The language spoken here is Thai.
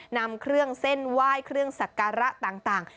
นำเครื่องเส้นไหว้เครื่องสักการะต่าง